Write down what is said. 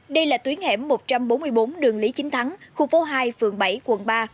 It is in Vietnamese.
đây là tuyến hẻm một trăm bốn mươi bốn đường lý chính thắng khu phố hai phường bảy quận ba